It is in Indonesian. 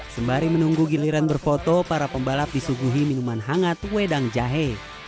sembari menunggu giliran berfoto para pembalap disuguhi minuman hangat wedang jahe